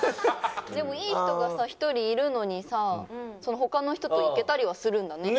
でもいい人がさ１人いるのにさ他の人と行けたりはするんだね。